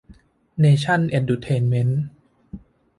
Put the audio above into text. เนชั่น เอ็ดดูเทนเมนท์